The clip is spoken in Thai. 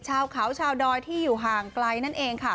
ชาวเขาชาวดอยที่อยู่ห่างไกลนั่นเองค่ะ